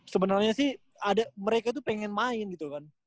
sebenarnya sih mereka tuh pengen main gitu kan